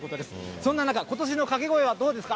そんな中、ことしの掛け声はどうですか？